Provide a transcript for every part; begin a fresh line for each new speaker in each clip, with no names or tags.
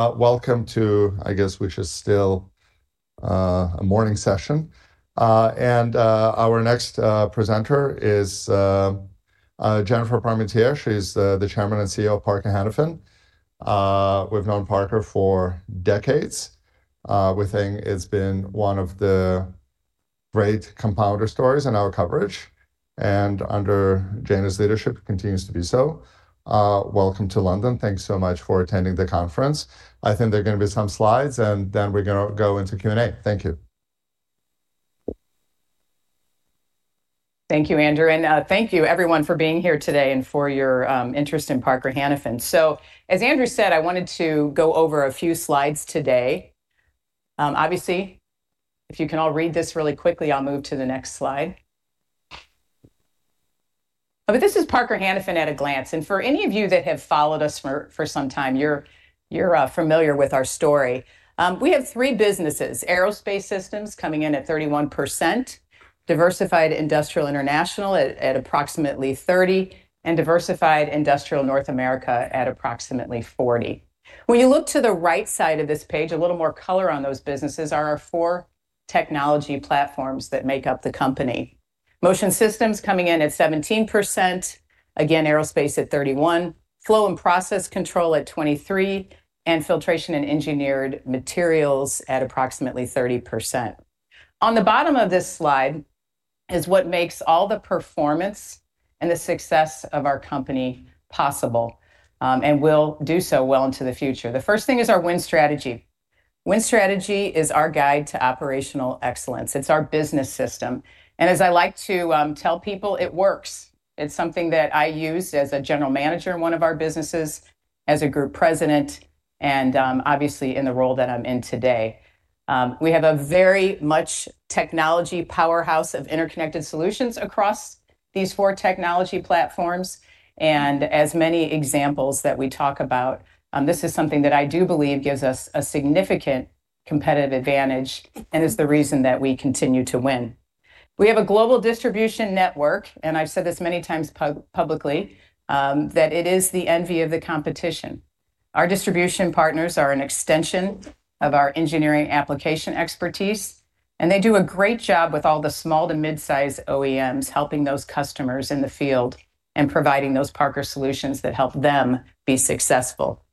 Welcome to a morning session. Our next presenter is Jennifer Parmentier. She's the Chairman and CEO of Parker Hannifin. We've known Parker for decades. We think it's been one of the great compounder stories in our coverage, and under Jenna's leadership continues to be so. Welcome to London. Thanks so much for attending the conference. I think there are gonna be some slides, and then we're gonna go into Q&A. Thank you.
Thank you, Andrew. Thank you everyone for being here today and for your interest in Parker-Hannifin. As Andrew said, I wanted to go over a few slides today. Obviously, if you can all read this really quickly, I'll move to the next slide. This is Parker-Hannifin at a glance. For any of you that have followed us for some time, you're familiar with our story. We have three businesses, Aerospace Systems coming in at 31%, Diversified Industrial International at approximately 30%, and Diversified Industrial North America at approximately 40%. When you look to the right side of this page, a little more color on those businesses are our four technology platforms that make up the company. Motion Systems coming in at 17%, again, Aerospace at 31%, Flow and Process Control at 23%, and Filtration and Engineered Materials at approximately 30%. On the bottom of this slide is what makes all the performance and the success of our company possible, and will do so well into the future. The first thing is our Win Strategy. Win Strategy is our guide to operational excellence. It's our business system. As I like to tell people, it works. It's something that I used as a general manager in one of our businesses, as a group president, and obviously in the role that I'm in today. We have a very much technology powerhouse of interconnected solutions across these four technology platforms. As many examples that we talk about, this is something that I do believe gives us a significant competitive advantage and is the reason that we continue to win. We have a global distribution network, and I've said this many times publicly, that it is the envy of the competition. Our distribution partners are an extension of our engineering application expertise, and they do a great job with all the small to mid-size OEMs, helping those customers in the field and providing those Parker solutions that help them be successful.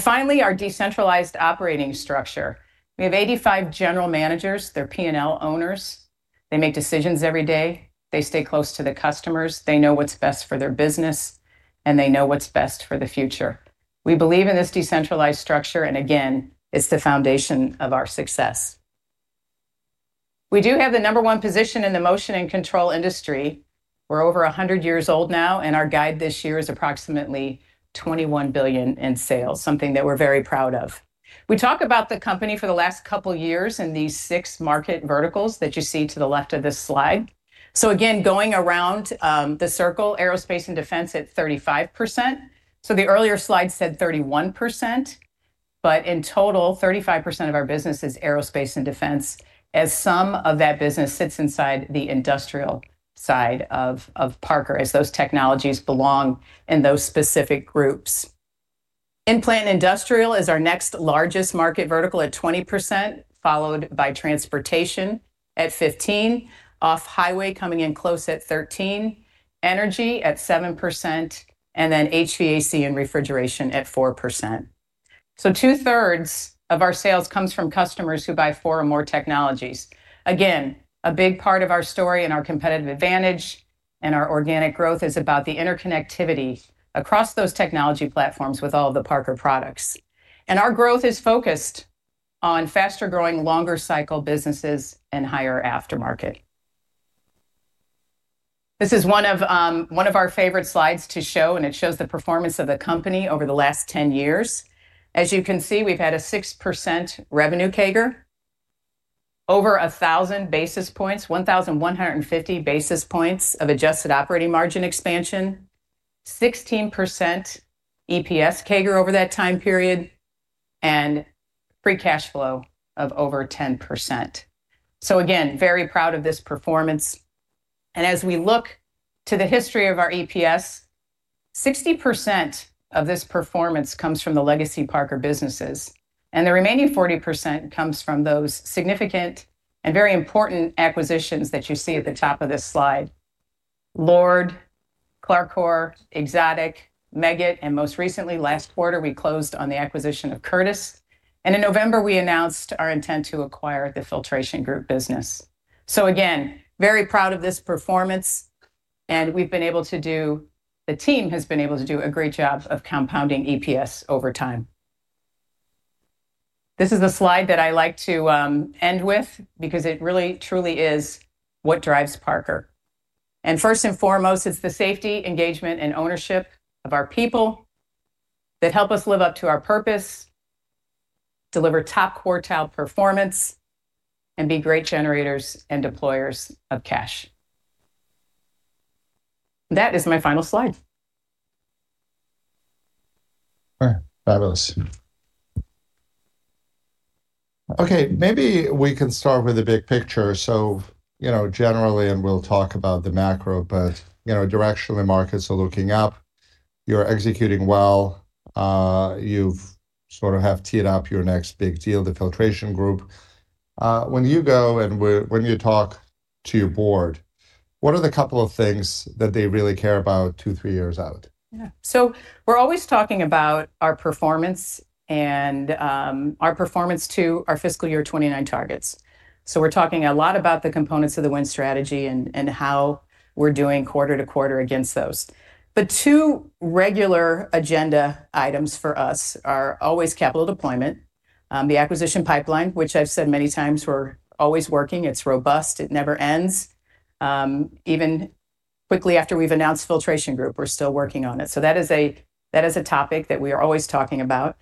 Finally, our decentralized operating structure. We have 85 general managers. They're P&L owners. They make decisions every day. They stay close to the customers. They know what's best for their business, and they know what's best for the future. We believe in this decentralized structure, and again, it's the foundation of our success. We do have the number one position in the motion and control industry. We're over 100 years old now, and our guide this year is approximately $21 billion in sales, something that we're very proud of. We talk about the company for the last couple of years in these six market verticals that you see to the left of this slide. Again, going around the circle, Aerospace and Defense at 35%. The earlier slide said 31%, but in total, 35% of our business is Aerospace and Defense, as some of that business sits inside the industrial side of Parker as those technologies belong in those specific groups. In-Plant Industrial is our next largest market vertical at 20%, followed by Transportation at 15, Off-Highway coming in close at 13, Energy at 7%, and then HVAC and Refrigeration at 4%. Two-thirds of our sales comes from customers who buy four or more technologies. Again, a big part of our story and our competitive advantage and our organic growth is about the interconnectivity across those technology platforms with all the Parker products. Our growth is focused on faster-growing, longer cycle businesses and higher aftermarket. This is one of our favorite slides to show, and it shows the performance of the company over the last 10 years. As you can see, we've had a 6% revenue CAGR, over 1,000 basis points, 1,150 basis points of adjusted operating margin expansion, 16% EPS CAGR over that time period, and free cash flow of over 10%. Again, very proud of this performance. As we look to the history of our EPS, 60% of this performance comes from the legacy Parker businesses, and the remaining 40% comes from those significant and very important acquisitions that you see at the top of this slide. LORD, CLARCOR, Exotic, Meggitt, and most recently, last quarter, we closed on the acquisition of Curtis. In November, we announced our intent to acquire the Filtration Group business. Again, very proud of this performance, and the team has been able to do a great job of compounding EPS over time. This is a slide that I like to end with because it really truly is what drives Parker. First and foremost, it's the safety, engagement, and ownership of our people that help us live up to our purpose, deliver top quartile performance, and be great generators and deployers of cash. That is my final slide.
All right. Fabulous. Okay, maybe we can start with the big picture. You know, generally, and we'll talk about the macro, but, you know, directionally, markets are looking up, you're executing well, you've sort of have teed up your next big deal, the Filtration Group. When you talk to your Board, what are the couple of things that they really care about two, three years out?
Yeah. We're always talking about our performance and our performance to our fiscal year 2029 targets. We're talking a lot about the components of the Win Strategy and how we're doing quarter-to-quarter against those. Two regular agenda items for us are always capital deployment, the acquisition pipeline, which I've said many times we're always working. It's robust. It never ends. Even quickly after we've announced Filtration Group, we're still working on it. That is a topic that we are always talking about.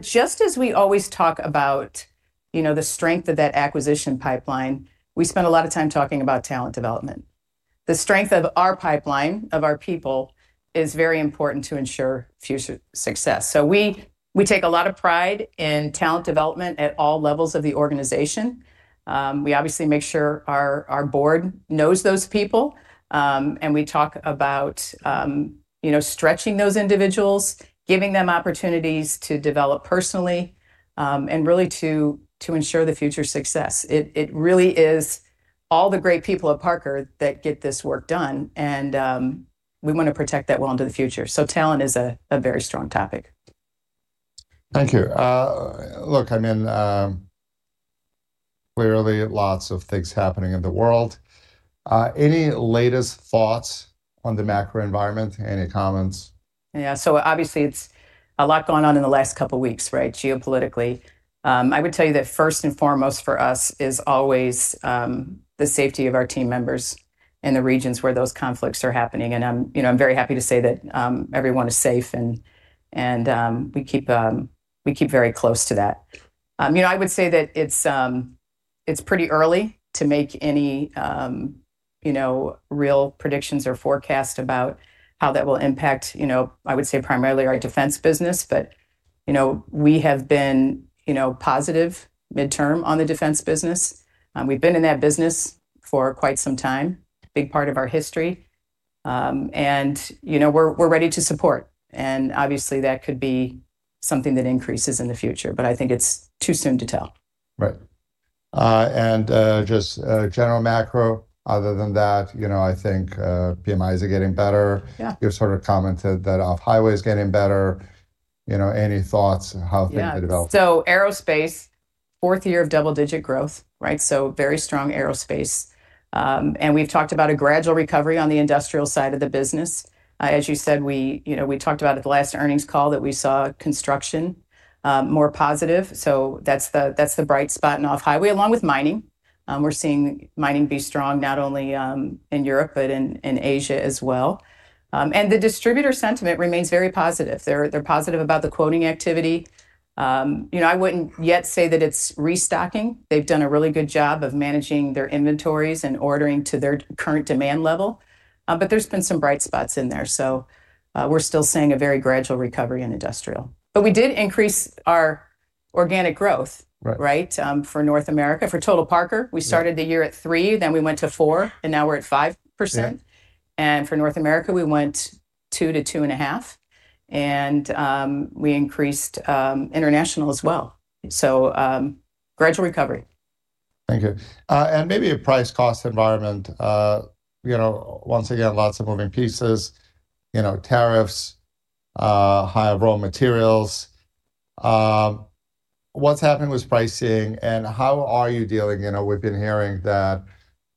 Just as we always talk about, you know, the strength of that acquisition pipeline, we spend a lot of time talking about talent development. The strength of our pipeline, of our people, is very important to ensure future success. We take a lot of pride in talent development at all levels of the organization. We obviously make sure our Board knows those people, and we talk about, you know, stretching those individuals, giving them opportunities to develop personally, and really to ensure the future success. It really is all the great people at Parker that get this work done, and we wanna protect that well into the future. Talent is a very strong topic.
Thank you. Look, I mean, clearly lots of things happening in the world. Any latest thoughts on the macro environment? Any comments?
Yeah. Obviously, it's a lot going on in the last couple weeks, right, geopolitically. I would tell you that first and foremost for us is always the safety of our team members in the regions where those conflicts are happening, and I'm, you know, very happy to say that everyone is safe and we keep very close to that. You know, I would say that it's pretty early to make any, you know, real predictions or forecast about how that will impact, you know, I would say primarily our defense business. You know, we have been, you know, positive midterm on the defense business. We've been in that business for quite some time, big part of our history. You know, we're ready to support. Obviously, that could be something that increases in the future, but I think it's too soon to tell.
Right. Just general macro other than that, you know, I think PMIs are getting better.
Yeah.
You sort of commented that Off-Highway's getting better. You know, any thoughts on how things could develop?
Yeah. Aerospace, fourth year of double-digit growth, right? Very strong aerospace. We've talked about a gradual recovery on the industrial side of the business. As you said, we, you know, we talked about at the last earnings call that we saw construction more positive, so that's the bright spot in Off-Highway, along with mining. We're seeing mining be strong, not only in Europe, but in Asia as well. The distributor sentiment remains very positive. They're positive about the quoting activity. You know, I wouldn't yet say that it's restocking. They've done a really good job of managing their inventories and ordering to their current demand level, but there's been some bright spots in there. We're still seeing a very gradual recovery in industrial. We did increase our organic growth.
Right
Right, for North America. For total Parker-
Yeah
we started the year at 3%, then we went to 4%, and now we're at 5%.
Yeah.
For North America, we went 2%-2.5%, and we increased international as well. Gradual recovery.
Thank you. Maybe price cost environment. You know, once again, lots of moving pieces, you know, tariffs, higher raw materials. What's happening with pricing, and how are you dealing? You know, we've been hearing that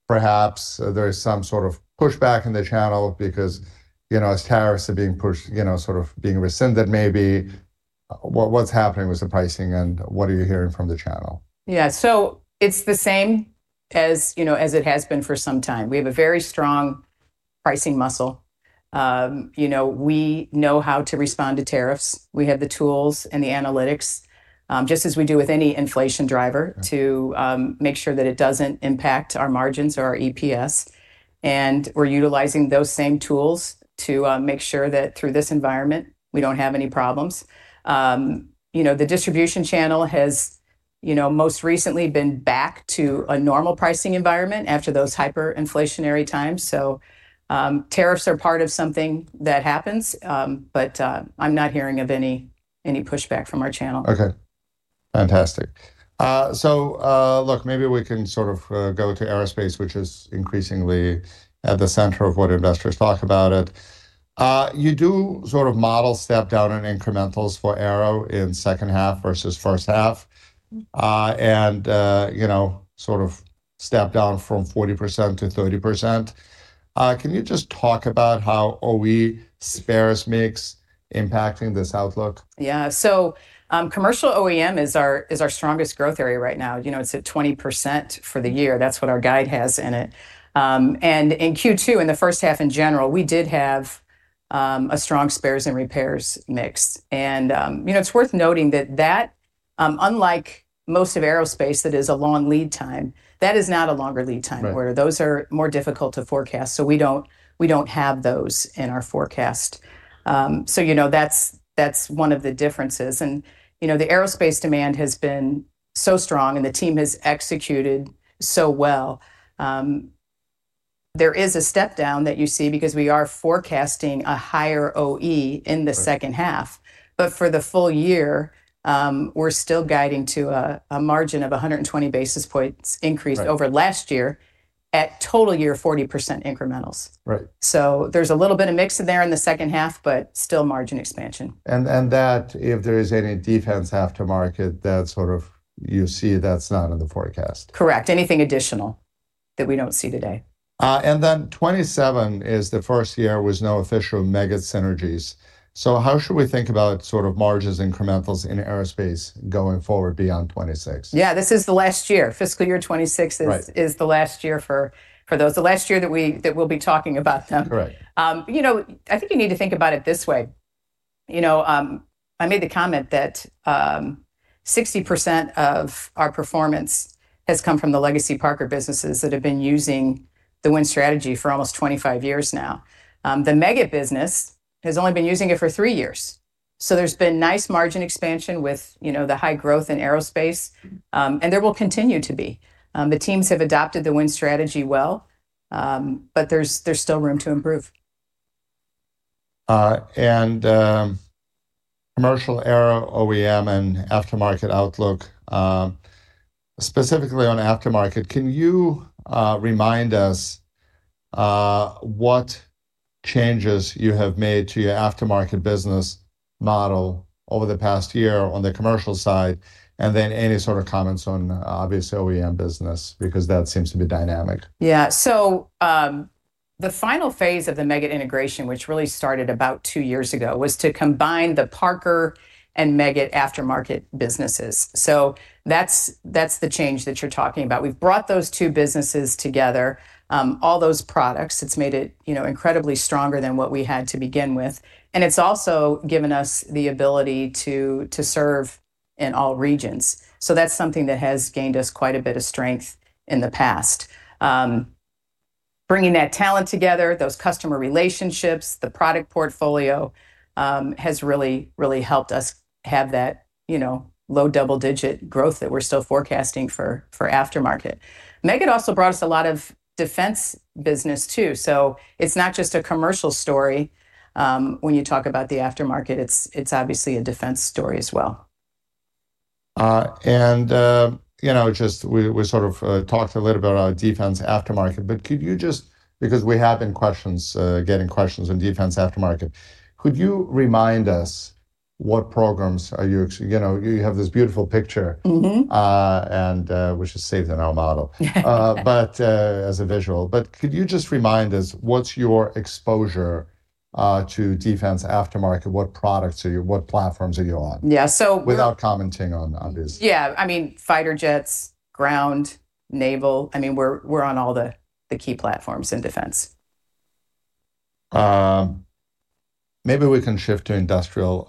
perhaps there is some sort of push back in the channel because, you know, as tariffs are being pushed, you know, sort of being rescinded maybe. What's happening with the pricing, and what are you hearing from the channel?
Yeah. It's the same as, you know, as it has been for some time. We have a very strong pricing muscle. You know, we know how to respond to tariffs. We have the tools and the analytics, just as we do with any inflation driver.
Right...
to make sure that it doesn't impact our margins or our EPS, and we're utilizing those same tools to make sure that through this environment, we don't have any problems. You know, the distribution channel has, you know, most recently been back to a normal pricing environment after those hyperinflationary times. Tariffs are part of something that happens, but I'm not hearing of any pushback from our channel.
Okay. Fantastic. Look, maybe we can sort of go to aerospace, which is increasingly at the center of what investors talk about it. You do sort of model step down in incrementals for aero in second half versus first half, and you know, sort of step down from 40% to 30%. Can you just talk about how OE spares mix impacting this outlook?
Yeah. Commercial OEM is our strongest growth area right now. You know, it's at 20% for the year. That's what our guide has in it. In Q2, in the first half in general, we did have a strong spares and repairs mix. You know, it's worth noting that unlike most of aerospace that is a long lead time, that is not a longer lead time.
Right
where those are more difficult to forecast. We don't have those in our forecast. You know, that's one of the differences. You know, the Aerospace demand has been so strong, and the team has executed so well. There is a step down that you see because we are forecasting a higher OE in the second half.
Right.
For the full year, we're still guiding to a margin of 120 basis points increase.
Right...
over last year at total year 40% incrementals.
Right.
There's a little bit of mix in there in the second half, but still margin expansion.
that if there is any defense aftermarket that sort of you see that's not in the forecast.
Correct. Anything additional that we don't see today.
2027 is the first year with no official Meggitt synergies. How should we think about sort of margins incrementals in aerospace going forward beyond 2026?
Yeah. This is the last year. Fiscal year 2026 is
Right
is the last year for those. The last year that we'll be talking about them.
Correct.
You know, I think you need to think about it this way. You know, I made the comment that 60% of our performance has come from the legacy Parker businesses that have been using the Win Strategy for almost 25 years now. The Meggitt business has only been using it for three years, so there's been nice margin expansion with, you know, the high growth in aerospace, and there will continue to be. The teams have adopted the Win Strategy well, but there's still room to improve.
Commercial aero OEM and aftermarket outlook, specifically on aftermarket, can you remind us what changes you have made to your aftermarket business model over the past year on the commercial side? Any sort of comments on overall OEM business because that seems to be dynamic.
Yeah. The final phase of the Meggitt integration, which really started about two years ago, was to combine the Parker and Meggitt aftermarket businesses. That's the change that you're talking about. We've brought those two businesses together, all those products. It's made it, you know, incredibly stronger than what we had to begin with, and it's also given us the ability to serve in all regions. That's something that has gained us quite a bit of strength in the past. Bringing that talent together, those customer relationships, the product portfolio, has really helped us have that, you know, low double-digit growth that we're still forecasting for aftermarket. Meggitt also brought us a lot of defense business too, so it's not just a commercial story, when you talk about the aftermarket, it's obviously a defense story as well.
You know, just we sort of talked a little about our defense aftermarket, but could you just, because we have been getting questions on defense aftermarket, could you remind us what programs are you. You know, you have this beautiful picture.
Mm-hmm
Could you just remind us what's your exposure to defense aftermarket? What products are you, what platforms are you on?
Yeah.
Without commenting on this.
Yeah. I mean, fighter jets, ground, naval, I mean, we're on all the key platforms in defense.
Maybe we can shift to industrial.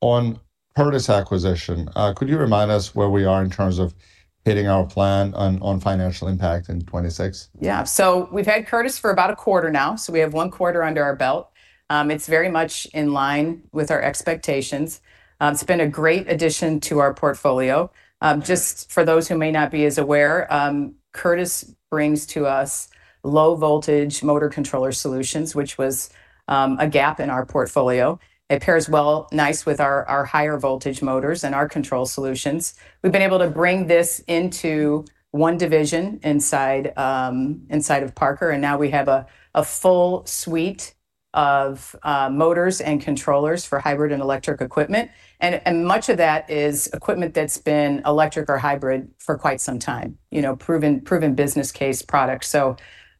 On Curtis acquisition, could you remind us where we are in terms of hitting our plan on financial impact in 2026?
Yeah. We've had Curtis for about a quarter now, so we have one quarter under our belt. It's very much in line with our expectations. It's been a great addition to our portfolio. Just for those who may not be as aware, Curtis brings to us low voltage motor controller solutions, which was a gap in our portfolio. It pairs well nice with our higher voltage motors and our control solutions. We've been able to bring this into one division inside of Parker, and now we have a full suite of motors and controllers for hybrid and electric equipment. And much of that is equipment that's been electric or hybrid for quite some time. You know, proven business case products.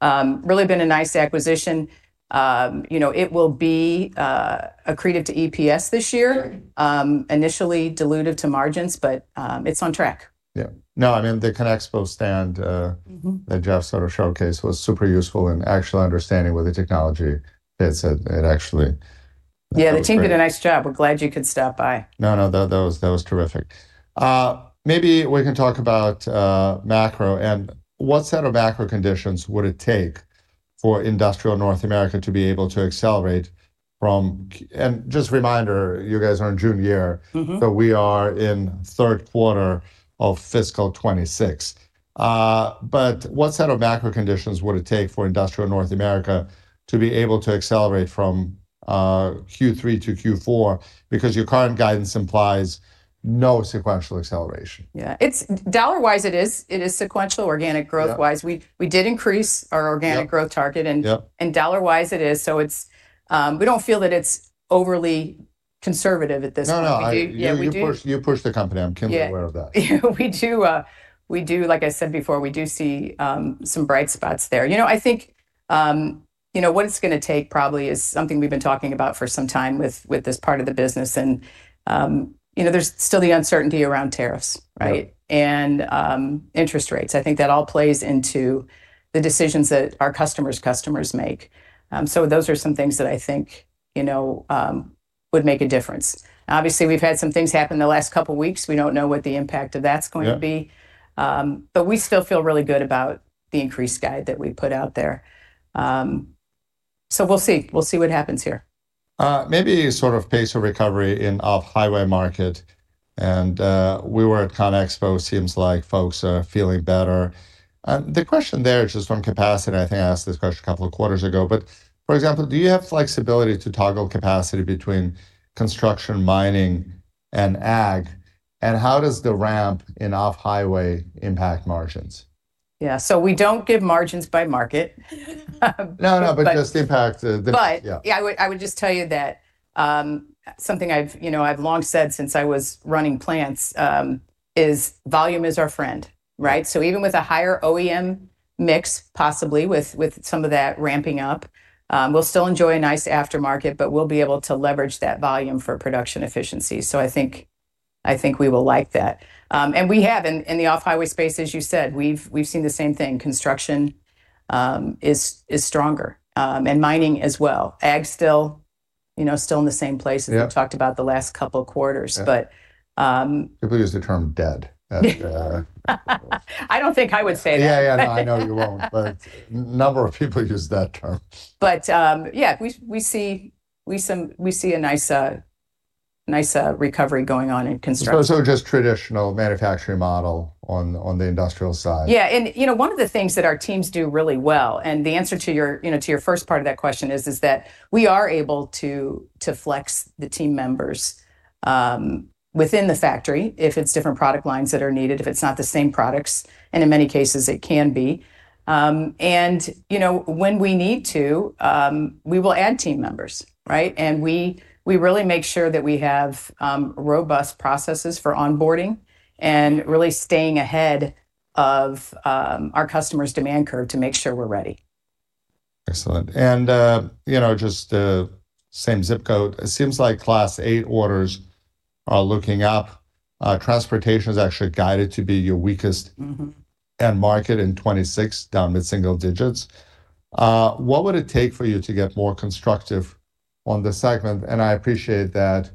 Really been a nice acquisition. You know, it will be accretive to EPS this year.
Right.
Initially dilutive to margins, but it's on track.
Yeah. No, I mean, the CONEXPO stand,
Mm-hmm...
that Jeff sort of showcased was super useful in actually understanding where the technology is. It actually-
Yeah, the team did a nice job. We're glad you could stop by.
No, no, that was terrific. Maybe we can talk about macro and what set of macro conditions would it take for Diversified Industrial North America to be able to accelerate from. Just a reminder, you guys are in June year.
Mm-hmm.
We are in third quarter of fiscal 2026. What set of macro conditions would it take for Industrial North America to be able to accelerate from Q3 to Q4? Because your current guidance implies no sequential acceleration.
Yeah. Dollar-wise it is. It is sequential organic growth-wise.
Yeah.
We did increase our organic growth target.
Yep. Yep.
Dollar-wise it is, so it's, we don't feel that it's overly conservative at this point.
No, no.
We do-
You push the company.
Yeah.
I'm keenly aware of that.
We do, like I said before, we do see some bright spots there. You know, I think, you know, what it's gonna take probably is something we've been talking about for some time with this part of the business and, you know, there's still the uncertainty around tariffs, right?
Yeah.
Interest rates. I think that all plays into the decisions that our customers' customers make. Those are some things that I think, you know, would make a difference. Obviously, we've had some things happen the last couple weeks. We don't know what the impact of that's going to be.
Yeah.
We still feel really good about the increased guide that we put out there. We'll see what happens here.
Maybe sort of pace of recovery in Off-Highway market, and we were at CONEXPO. Seems like folks are feeling better. The question there is just from capacity, and I think I asked this question a couple of quarters ago. For example, do you have flexibility to toggle capacity between construction, mining, and ag, and how does the ramp in Off-Highway impact margins?
We don't give margins by market.
No, no, just impact the.
But-
Yeah
Yeah, I would just tell you that something I've you know I've long said since I was running plants is volume is our friend, right? Even with a higher OEM mix, possibly with some of that ramping up, we'll still enjoy a nice aftermarket, but we'll be able to leverage that volume for production efficiency. I think we will like that. We have in the Off-Highway space, as you said, we've seen the same thing. Construction is stronger and mining as well. Ag still you know still in the same place.
Yeah
as we talked about the last couple of quarters.
Yeah.
But, um-
People use the term dead.
I don't think I would say that.
Yeah, I know you won't. A number of people use that term.
Yeah, we see a nice recovery going on in construction.
Just traditional manufacturing model on the industrial side.
Yeah. You know, one of the things that our teams do really well, and the answer to your, you know, to your first part of that question is that we are able to flex the team members within the factory if it's different product lines that are needed, if it's not the same products, and in many cases it can be. You know, when we need to, we will add team members, right? We really make sure that we have robust processes for onboarding and really staying ahead of our customers' demand curve to make sure we're ready.
Excellent. You know, just same zip code, it seems like Class 8 orders are looking up. Transportation is actually guided to be your weakest.
Mm-hmm...
end market in 2026, down to single digits. What would it take for you to get more constructive on this segment? I appreciate that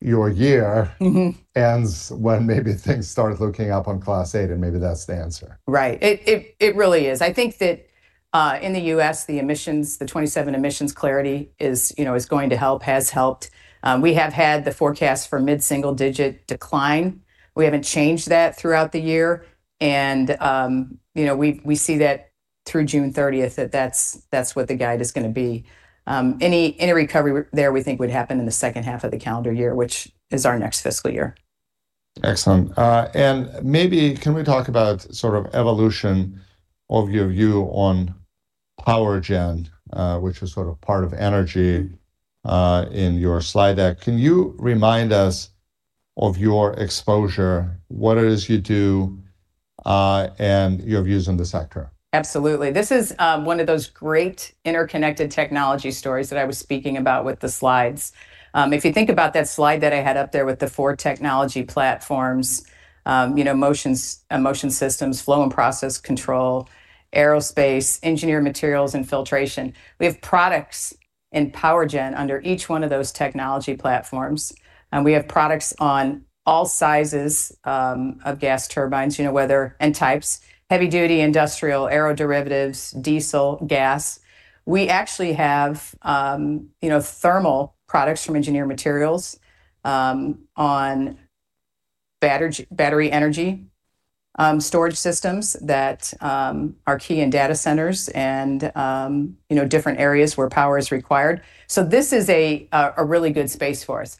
your year-
Mm-hmm
Ends when maybe things start looking up on Class 8, and maybe that's the answer.
Right. It really is. I think that in the U.S., the emissions, the 2027 emissions clarity is, you know, going to help, has helped. We have had the forecast for mid-single digit decline. We haven't changed that throughout the year. You know, we see that through June 30th, that's what the guide is gonna be. Any recovery there we think would happen in the second half of the calendar year, which is our next fiscal year.
Excellent. Maybe can we talk about sort of evolution of your view on power gen, which is sort of part of energy, in your slide deck? Can you remind us of your exposure, what it is you do, and your views on the sector?
Absolutely. This is one of those great interconnected technology stories that I was speaking about with the slides. If you think about that slide that I had up there with the four technology platforms, you know, Motion Systems, Flow and Process Control, Aerospace, Engineered Materials, and Filtration, we have products in power gen under each one of those technology platforms. We have products on all sizes of gas turbines, you know, whether and types, heavy duty, industrial, aeroderivatives, diesel, gas. We actually have, you know, thermal products from Engineered Materials on battery energy storage systems that are key in data centers and, you know, different areas where power is required. This is a really good space for us.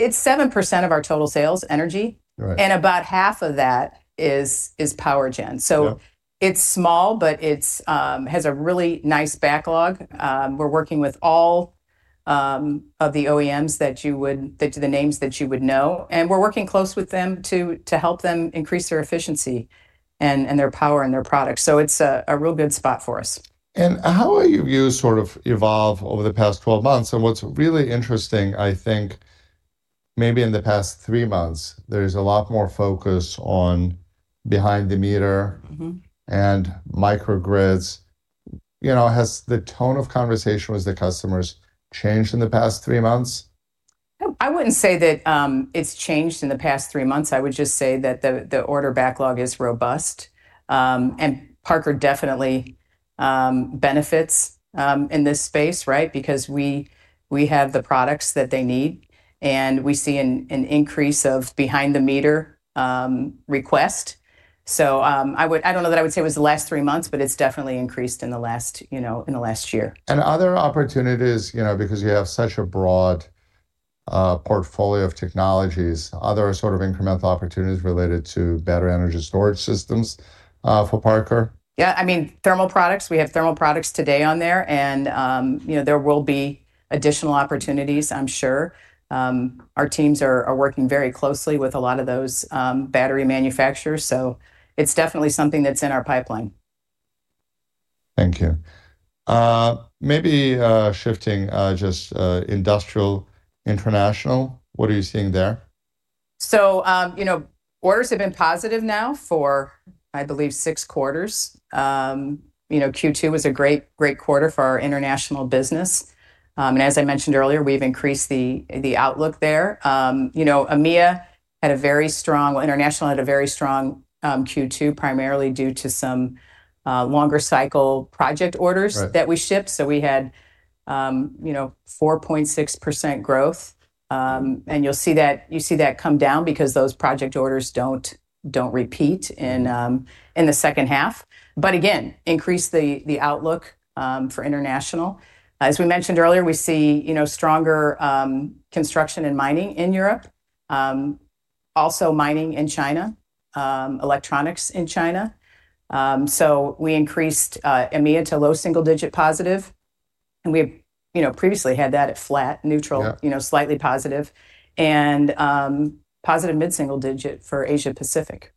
It's 7% of our total sales energy.
Right.
About half of that is power gen.
Yeah.
It's small, but it has a really nice backlog. We're working with all of the OEMs, the names that you would know, and we're working closely with them to help them increase their efficiency and their power and their products. It's a real good spot for us.
How have your views sort of evolved over the past 12 months? What's really interesting, I think maybe in the past three months, there's a lot more focus on behind the meter.
Mm-hmm
Microgrids. You know, has the tone of conversation with the customers changed in the past three months?
No, I wouldn't say that it's changed in the past three months. I would just say that the order backlog is robust. Parker definitely benefits in this space, right? Because we have the products that they need, and we see an increase of behind the meter request. I don't know that I would say it was the last three months, but it's definitely increased in the last year, you know.
Other opportunities, you know, because you have such a broad portfolio of technologies, other sort of incremental opportunities related to better energy storage systems for Parker?
Yeah. I mean, thermal products, we have thermal products today on there and, you know, there will be additional opportunities, I'm sure. Our teams are working very closely with a lot of those, battery manufacturers, so it's definitely something that's in our pipeline.
Thank you. Maybe shifting just to Diversified Industrial International, what are you seeing there?
Orders have been positive now for, I believe, six quarters. You know, Q2 was a great quarter for our international business. As I mentioned earlier, we've increased the outlook there. You know, International had a very strong Q2, primarily due to some longer cycle project orders.
Right...
that we shipped. We had, you know, 4.6% growth. You'll see that come down because those project orders don't repeat in the second half. Again, increased the outlook for international. As we mentioned earlier, we see, you know, stronger construction and mining in Europe. Also mining in China, electronics in China. We increased EMEA to low single digit positive, and we've, you know, previously had that at flat, neutral.
Yeah
you know, slightly positive. Positive mid-single digit for Asia-Pacific.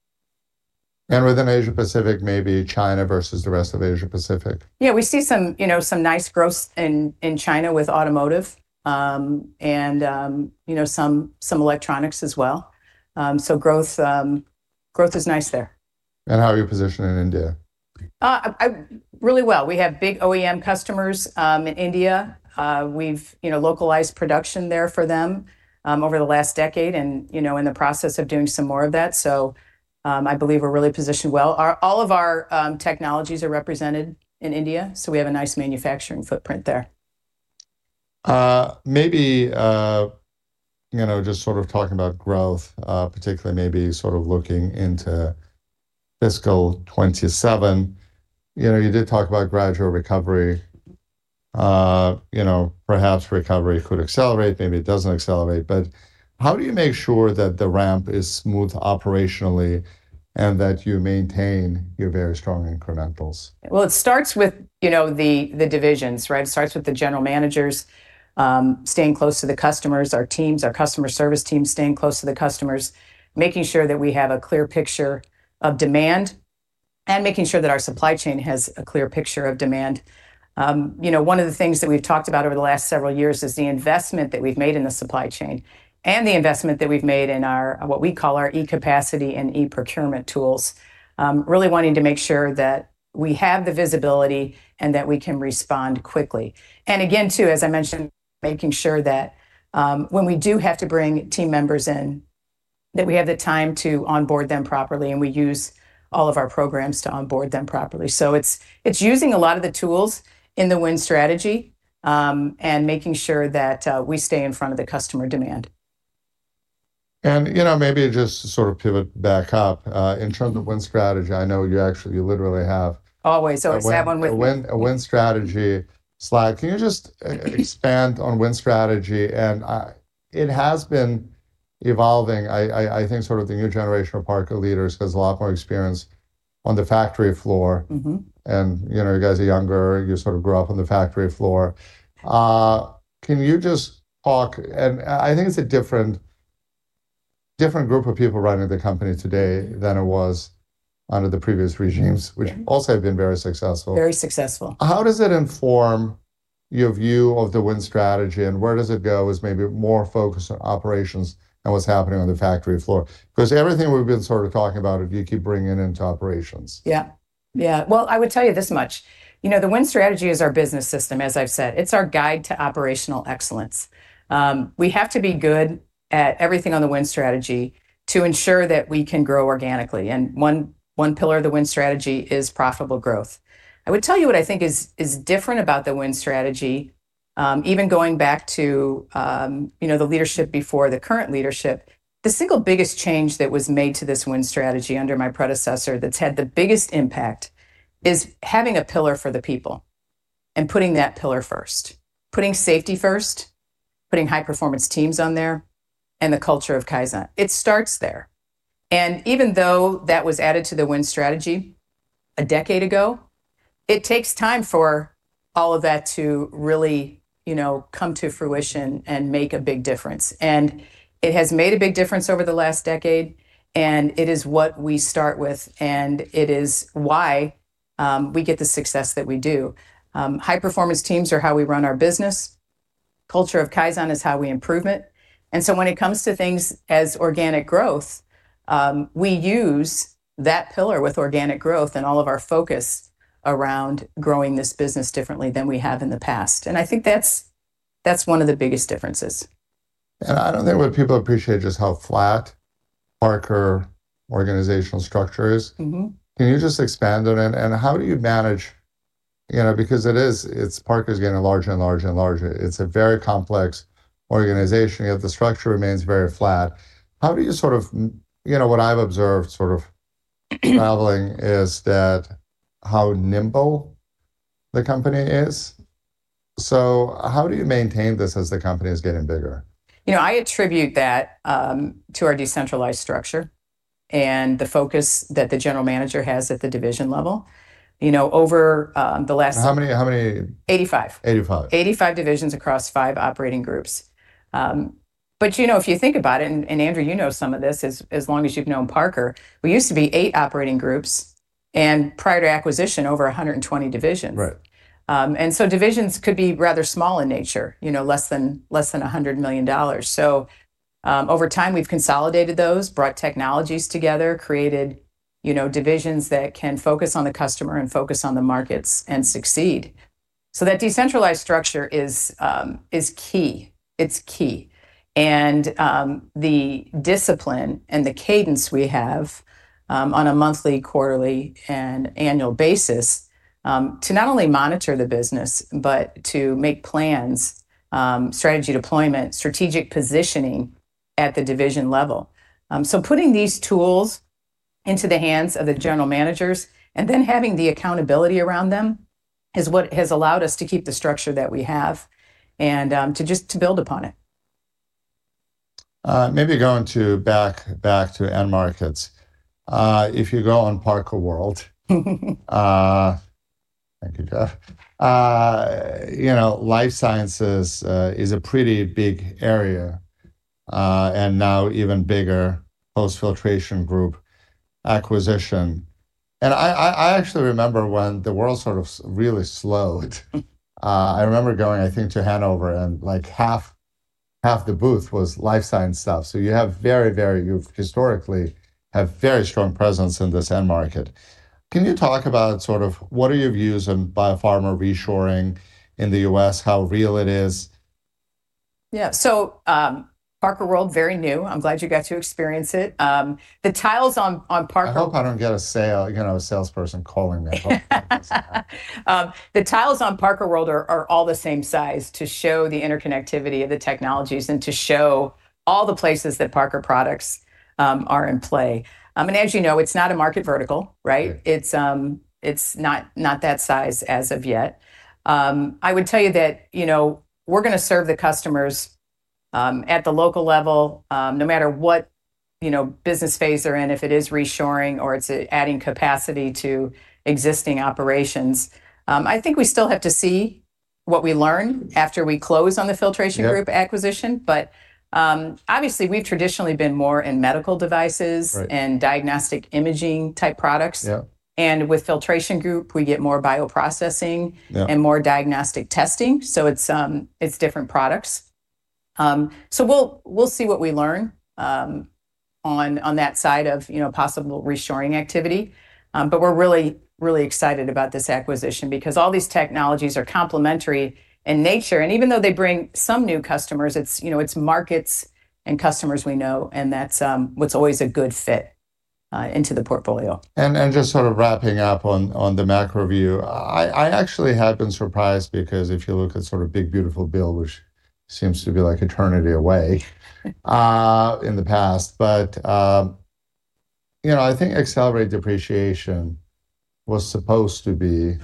Within Asia-Pacific, maybe China versus the rest of Asia-Pacific.
Yeah, we see some, you know, nice growth in China with automotive and, you know, some electronics as well. Growth is nice there.
How are you positioned in India?
Really well. We have big OEM customers in India. We've, you know, localized production there for them over the last decade and, you know, in the process of doing some more of that. I believe we're really positioned well. All of our technologies are represented in India, so we have a nice manufacturing footprint there.
Maybe, you know, just sort of talking about growth, particularly maybe sort of looking into fiscal 2027, you know, you did talk about gradual recovery. You know, perhaps recovery could accelerate, maybe it doesn't accelerate. How do you make sure that the ramp is smooth operationally and that you maintain your very strong incrementals?
Well, it starts with, you know, the divisions, right? It starts with the general managers, staying close to the customers, our teams, our customer service teams staying close to the customers, making sure that we have a clear picture of demand, and making sure that our supply chain has a clear picture of demand. You know, one of the things that we've talked about over the last several years is the investment that we've made in the supply chain and the investment that we've made in our, what we call our eCapacity and eProcurement tools, really wanting to make sure that we have the visibility and that we can respond quickly. Again, too, as I mentioned, making sure that, when we do have to bring team members in, that we have the time to onboard them properly, and we use all of our programs to onboard them properly. It's using a lot of the tools in the Win Strategy, and making sure that we stay in front of the customer demand.
You know, maybe just to sort of pivot back up, in terms of Win Strategy, I know you actually, you literally have-
Always have one with me.
a Win Strategy slide. Can you just expand on Win Strategy? It has been evolving. I think sort of the new generation of Parker leaders has a lot more experience on the factory floor.
Mm-hmm.
You know, you guys are younger, you sort of grew up on the factory floor. I think it's a different group of people running the company today than it was under the previous regimes.
Mm-hmm. Yeah
Which also have been very successful.
Very successful.
How does it inform your view of the Win Strategy, and where does it go? Is maybe more focused on operations and what's happening on the factory floor? 'Cause everything we've been sort of talking about, you keep bringing into operations.
Yeah. Yeah. Well, I would tell you this much. You know, the Win Strategy is our business system, as I've said. It's our guide to operational excellence. We have to be good at everything on the Win Strategy to ensure that we can grow organically. One pillar of the Win Strategy is profitable growth. I would tell you what I think is different about the Win Strategy, even going back to, you know, the leadership before the current leadership, the single biggest change that was made to this Win Strategy under my predecessor that's had the biggest impact is having a pillar for the people and putting that pillar first, putting safety first, putting high-performance teams on there, and the culture of Kaizen. It starts there. Even though that was added to The Win Strategy a decade ago, it takes time for all of that to really, you know, come to fruition and make a big difference. It has made a big difference over the last decade, and it is what we start with, and it is why we get the success that we do. High-performance teams are how we run our business. Culture of Kaizen is how we improve it. When it comes to things as organic growth, we use that pillar with organic growth and all of our focus around growing this business differently than we have in the past. I think that's one of the biggest differences.
I don't think what people appreciate just how flat Parker organizational structure is.
Mm-hmm.
Can you just expand on it, and how do you manage, you know, because it is, it's Parker's getting larger and larger and larger. It's a very complex organization, yet the structure remains very flat. How do you sort of, you know, what I've observed sort of traveling is that how nimble the company is. So how do you maintain this as the company is getting bigger?
You know, I attribute that to our decentralized structure and the focus that the general manager has at the division level. You know, over the last-
How many?
85.
85.
85 divisions across five operating groups. You know, if you think about it, and Andrew, you know some of this as long as you've known Parker, we used to be eight operating groups and prior to acquisition, over 120 divisions.
Right.
Divisions could be rather small in nature, you know, less than $100 million. Over time, we've consolidated those, brought technologies together, created, you know, divisions that can focus on the customer and focus on the markets and succeed. That decentralized structure is key. It's key. The discipline and the cadence we have on a monthly, quarterly, and annual basis to not only monitor the business, but to make plans, strategy deployment, strategic positioning at the division level. Putting these tools into the hands of the general managers and then having the accountability around them is what has allowed us to keep the structure that we have and to just build upon it.
Maybe going back to end markets. If you go on Parker World. Thank you, Jeff. You know, life sciences is a pretty big area, and now even bigger post-Filtration Group acquisition. I actually remember when the world sort of really slowed. I remember going, I think, to Hanover, and like half the booth was life science stuff. You have very strong presence in this end market. You have historically had very strong presence in this end market. Can you talk about sort of what are your views on biopharma reshoring in the U.S., how real it is?
Yeah. Parker World, very new. I'm glad you got to experience it. The tiles on Parker-
I hope I don't get you know, a salesperson calling me. I hope that doesn't happen.
The tiles on Parker World are all the same size to show the interconnectivity of the technologies and to show all the places that Parker products are in play. As you know, it's not a market vertical, right?
Yeah.
It's not that size as of yet. I would tell you that, you know, we're gonna serve the customers at the local level, no matter what, you know, business phase they're in. If it is reshoring or it's adding capacity to existing operations. I think we still have to see what we learn after we close on the Filtration Group.
Yeah...
acquisition. Obviously, we've traditionally been more in medical devices.
Right
Diagnostic imaging type products.
Yeah.
With Filtration Group, we get more bioprocessing.
Yeah
More diagnostic testing, so it's different products. We'll see what we learn on that side of you know possible reshoring activity. We're really excited about this acquisition because all these technologies are complementary in nature, and even though they bring some new customers, it's you know it's markets and customers we know, and that's what's always a good fit into the portfolio.
Just sort of wrapping up on the macro view. I actually have been surprised because if you look at sort of big beautiful bill, which seems to be like eternity away in the past. You know, I think accelerated depreciation was supposed to be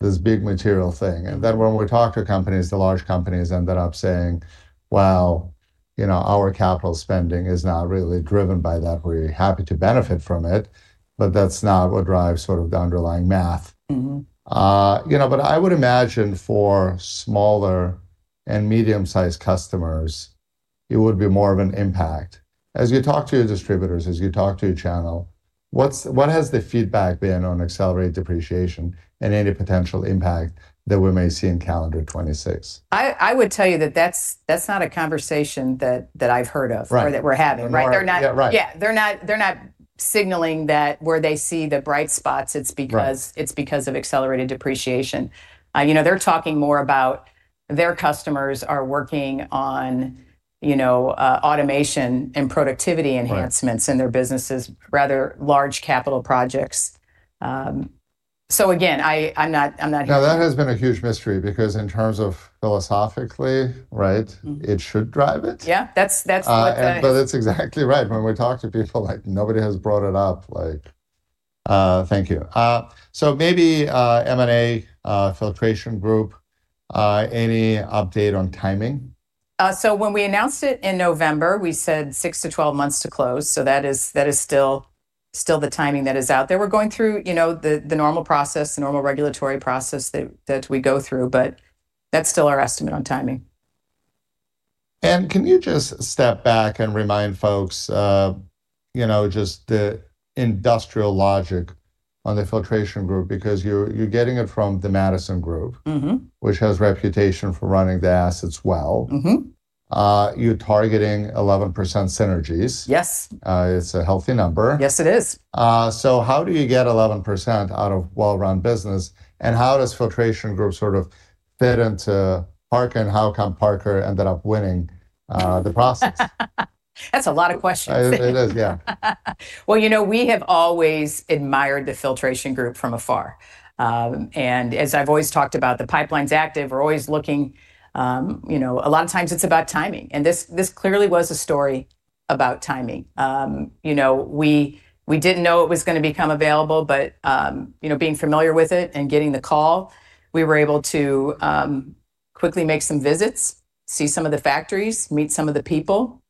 this big material thing. Then when we talked to companies, the large companies ended up saying, "Well, you know, our capital spending is not really driven by that. We're happy to benefit from it, but that's not what drives sort of the underlying math.
Mm-hmm.
You know, I would imagine for smaller and medium-sized customers, it would be more of an impact. As you talk to your distributors, as you talk to your channel, what has the feedback been on accelerated depreciation and any potential impact that we may see in calendar 2026?
I would tell you that that's not a conversation that I've heard of.
Right
that we're having, right?
No more. Yeah, right.
They're not signaling that where they see the bright spots, it's because.
Right
It's because of accelerated depreciation. You know, they're talking more about their customers are working on, you know, automation and productivity enhancements.
Right
in their businesses, rather large capital projects. Again, I'm not hearing that.
Now, that has been a huge mystery because in terms of philosophically, right?
Mm-hmm
It should drive it.
Yeah. That's what I-
That's exactly right. When we talk to people, like nobody has brought it up, like. Thank you. Maybe M&A, Filtration Group, any update on timing?
When we announced it in November, we said 6-12 months to close. That is still the timing that is out there. We're going through, you know, the normal process, the normal regulatory process that we go through, but that's still our estimate on timing.
Can you just step back and remind folks, you know, just the industrial logic on the Filtration Group because you're getting it from the Madison Industries.
Mm-hmm
which has reputation for running the assets well.
Mm-hmm.
You're targeting 11% synergies.
Yes.
It's a healthy number.
Yes, it is.
How do you get 11% out of well-run business? How does Filtration Group sort of fit into Parker, and how come Parker ended up winning the process?
That's a lot of questions.
It is, yeah.
Well, you know, we have always admired the Filtration Group from afar. As I've always talked about, the pipeline's active. We're always looking. You know, a lot of times it's about timing, and this clearly was a story about timing. You know, we didn't know it was gonna become available, but you know, being familiar with it and getting the call, we were able to quickly make some visits, see some of the factories, meet some of the people.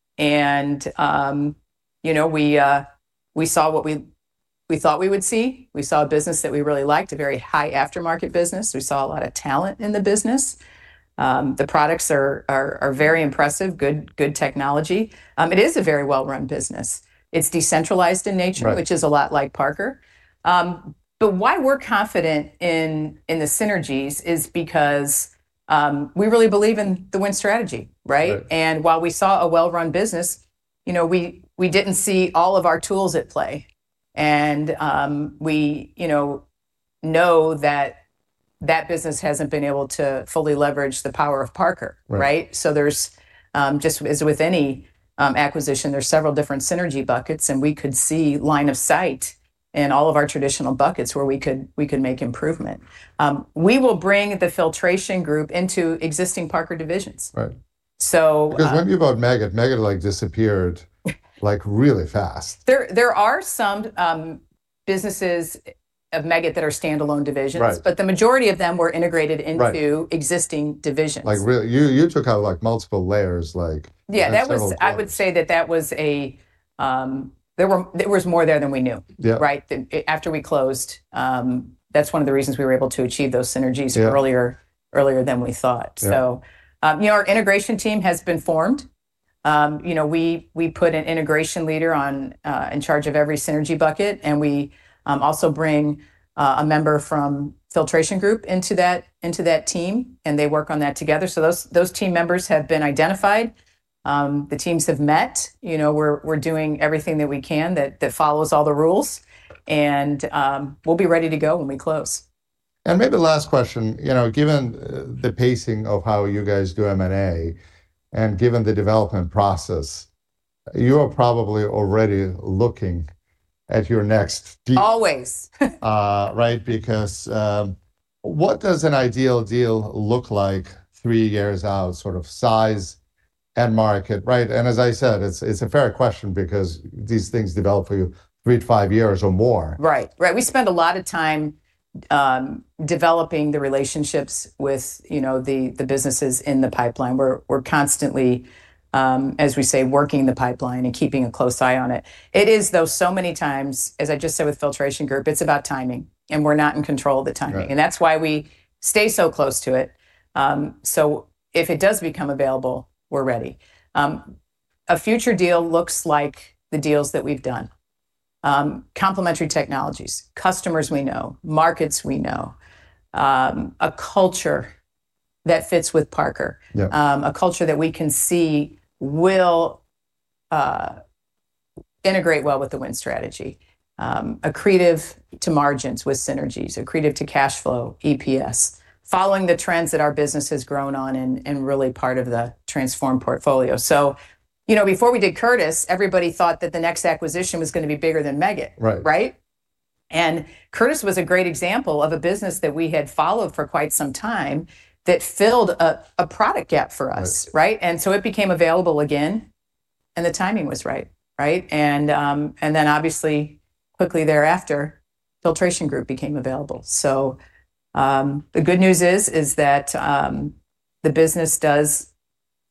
You know, we saw what we thought we would see. We saw a business that we really liked, a very high aftermarket business. We saw a lot of talent in the business. The products are very impressive, good technology. It is a very well-run business. It's decentralized in nature.
Right...
which is a lot like Parker. Why we're confident in the synergies is because we really believe in the Win Strategy, right?
Right.
While we saw a well-run business, you know, we didn't see all of our tools at play. You know, we know that business hasn't been able to fully leverage the power of Parker-
Right
Right? There's just as with any acquisition, there's several different synergy buckets, and we could see line of sight in all of our traditional buckets where we could make improvement. We will bring the Filtration Group into existing Parker divisions.
Right.
So, um-
'Cause when you bought Meggitt, like, disappeared like really fast.
There are some businesses of Meggitt that are standalone divisions.
Right
The majority of them were integrated into-
Right
existing divisions.
You took out, like, multiple layers, like.
Yeah, that was.
in several parts.
I would say that was a. There was more there than we knew.
Yeah.
Right? After we closed, that's one of the reasons we were able to achieve those synergies.
Yeah
Earlier than we thought.
Yeah.
Our integration team has been formed. You know, we put an integration leader on in charge of every synergy bucket, and we also bring a member from Filtration Group into that team, and they work on that together. Those team members have been identified. The teams have met. You know, we're doing everything that we can that follows all the rules, and we'll be ready to go when we close.
Maybe last question, you know, given the pacing of how you guys do M&A, and given the development process, you're probably already looking at your next de-
Always.
Right? Because, what does an ideal deal look like three years out, sort of size and market, right? As I said, it's a fair question because these things develop for three to five years or more.
Right. We spend a lot of time developing the relationships with, you know, the businesses in the pipeline. We're constantly, as we say, working the pipeline and keeping a close eye on it. It is, though, so many times, as I just said with Filtration Group, it's about timing, and we're not in control of the timing.
Right
That's why we stay so close to it. If it does become available, we're ready. A future deal looks like the deals that we've done. Complementary technologies, customers we know, markets we know, a culture that fits with Parker.
Yeah.
A culture that we can see will integrate well with The Win Strategy, accretive to margins with synergies, accretive to cashflow, EPS, following the trends that our business has grown on and really part of the transform portfolio. You know, before we did Curtis, everybody thought that the next acquisition was gonna be bigger than Meggitt.
Right.
Right? Curtis was a great example of a business that we had followed for quite some time that filled a product gap for us.
Right.
Right? It became available again, and the timing was right? And then obviously quickly thereafter, Filtration Group became available. The good news is that the business does,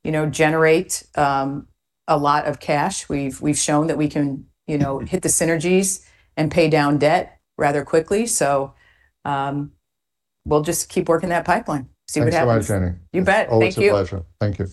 you know, generate a lot of cash. We've shown that we can, you know, hit the synergies and pay down debt rather quickly. We'll just keep working that pipeline, see what happens.
Thanks so much, Jenna.
You bet. Thank you.
Always a pleasure. Thank you.